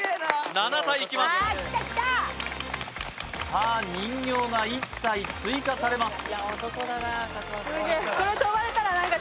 さあ人形が１体追加されます